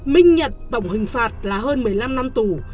minh nhật tổng hình phạt là hơn một mươi năm năm tù